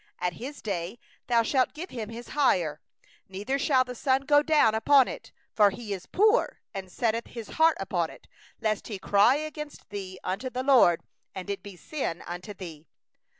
15In the same day thou shalt give him his hire, neither shall the sun go down upon it; for he is poor, and setteth his heart upon it: lest he cry against thee unto the LORD and it be sin in thee.